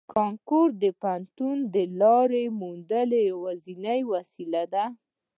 کانکور د پوهنتون د لارې موندلو یوازینۍ وسیله ده